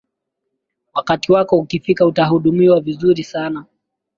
wakati wako ukifika utahudumiwa vizuri sana